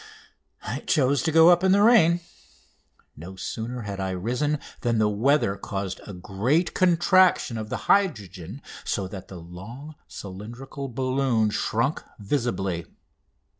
I chose to go up in the rain. No sooner had I risen than the weather caused a great contraction of the hydrogen, so that the long cylindrical balloon shrunk visibly.